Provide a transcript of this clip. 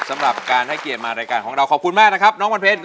สำหรับการให้เกียรติมารายการของเราขอบคุณมากนะครับน้องวันเพลง